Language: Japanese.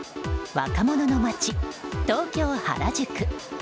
若者の街、東京・原宿。